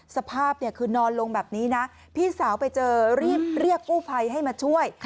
สภาพคือนอนลงแบบนี้นะพี่สาวไปเจอรีบเรียกกู้ภัยให้มาช่วย